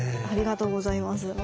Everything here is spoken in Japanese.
ありがとうございます。